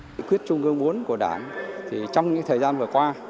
nghị quyết trung ương bốn của đảng thì trong những thời gian vừa qua